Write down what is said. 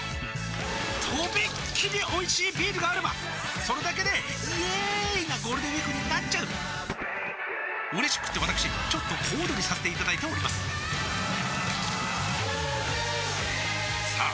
とびっきりおいしいビールがあればそれだけでイエーーーーーイなゴールデンウィークになっちゃううれしくってわたくしちょっと小躍りさせていただいておりますさあ